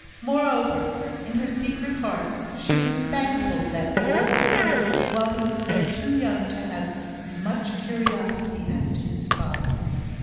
Moreover, in her secret heart, she was thankful that all occurred while he was yet too young to have much curiosity as to his father.